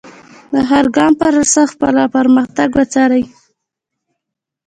د هر ګام پر اساس خپل پرمختګ وڅارئ.